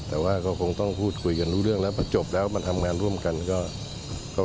แต่ว่าก็คงต้องพูดคุยกันรู้เรื่องแล้วพอจบแล้วมาทำงานร่วมกันก็